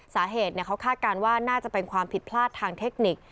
สาเหตุเขาคาดการณ์ว่าน่าจะเป็นความผิดพลาดทางเทคนิค